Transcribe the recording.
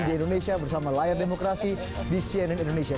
di indonesia bersama layar demokrasi di cnn indonesia